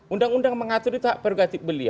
undang undang mengatur itu hak prerogatif beliau